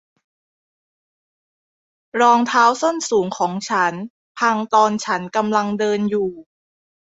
รองเท้าส้นสูงของฉันพังตอนฉันกำลังเดินอยู่